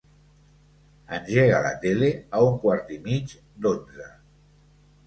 Engega la tele a un quart i mig d'onze.